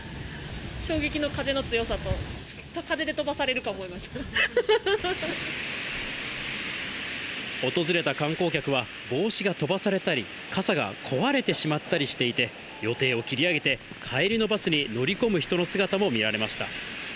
衝撃の風の強さと、訪れた観光客は、帽子が飛ばされたり、傘が壊れてしまったりしていて、予定を切り上げて、帰りのバスに乗り込む人の姿も見られました。